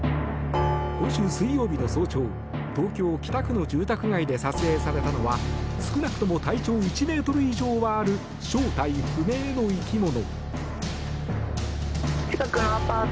今週水曜日の早朝東京・北区の住宅街で撮影されたのは少なくとも体長１ｍ以上はある正体不明の生き物。